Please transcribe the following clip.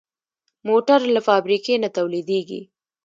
موټر له فابریکې نه تولیدېږي.